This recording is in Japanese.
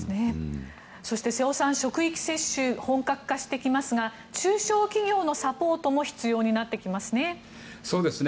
そして瀬尾さん職域接種、本格化してきますが中小企業のサポートも必要になってきますね。